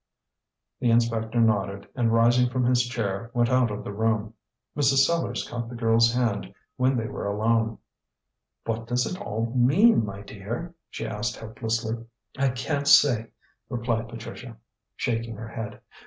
The inspector nodded, and rising from his chair, went out of the room. Mrs. Sellars caught the girl's hand when they were alone. "What does it all mean, my dear?" she asked helplessly. "I can't say," replied Patricia, shaking her head.